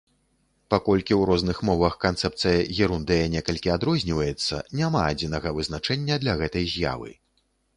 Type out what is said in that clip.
Паколькі ў розных мовах канцэпцыя герундыя некалькі адрозніваецца, няма адзінага вызначэння для гэтай з'явы.